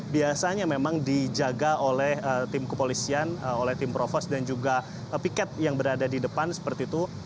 biasanya memang dijaga oleh tim kepolisian oleh tim provos dan juga piket yang berada di depan seperti itu